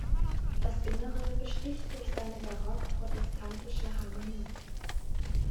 Das Innere besticht durch seine barock-protestantische Harmonie.